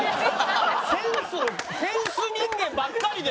センスのセンス人間ばっかりで。